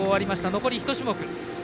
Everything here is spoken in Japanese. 残り１種目。